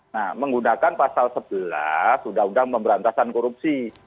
nah menggunakan pasal sebelas undang undang pemberantasan korupsi